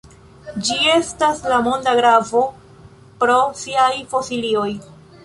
Ĝi estas de monda gravo pro siaj fosilioj.